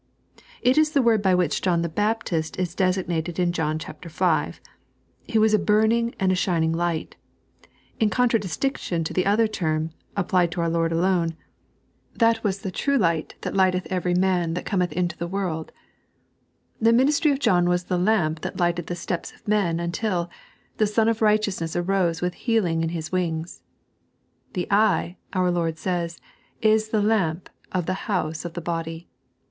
It is the word by which John the Bap tist is designated in John v. :" He was a burning aud a shining light" — in contradistinction to the other term, applied to our Lord alone :" That was the true Iiight which 3.n.iized by Google 146 The Intention of the Sool. lighteth every man that cometh into the world." The ministry of John was the lamp that lighted the steps of men until " the Sun of Righteousness arose with healing in Hid wings." The eye, our Lord says, is the lamp of the house of the body.